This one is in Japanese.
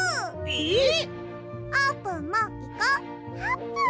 えっ！？